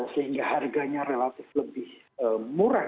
sehingga harganya relatif lebih murah